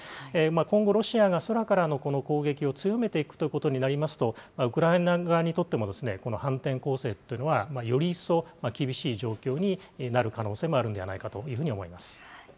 今後、ロシアが空からの攻撃を強めていくということになりますと、ウクライナ側にとってもこの反転攻勢というのはより一層厳しい状況になる可能性もあるんではないかというふうに思います。